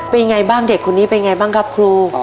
เป็นยังไงบ้างเด็กคนนี้เป็นไงบ้างครับครู